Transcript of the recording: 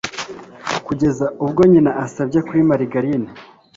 kugeza ubwo nyina asabye kuri marigarine